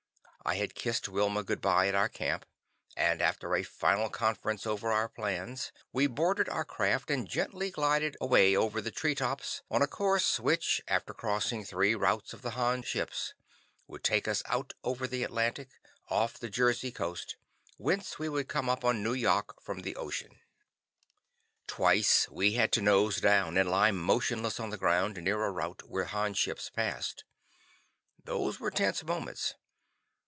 I had kissed Wilma good bye at our camp, and after a final conference over our plans, we boarded our craft and gently glided away over the tree tops on a course, which, after crossing three routes of the Han ships, would take us out over the Atlantic, off the Jersey coast, whence we would come up on Nu yok from the ocean. Twice we had to nose down and lie motionless on the ground near a route while Han ships passed. Those were tense moments.